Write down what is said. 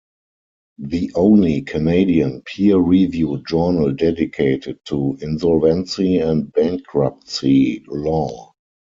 The only Canadian peer-reviewed journal dedicated to insolvency and bankruptcy law.